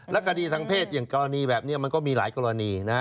คดีทางเพศอย่างกรณีแบบนี้มันก็มีหลายกรณีนะ